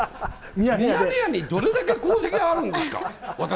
ミヤネ屋にどれだけ功績あるんですか。